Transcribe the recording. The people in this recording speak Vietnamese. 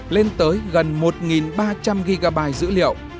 lên tới gần một ba trăm linh gb dữ liệu